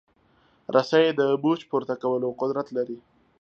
رسۍ د بوج پورته کولو قدرت لري.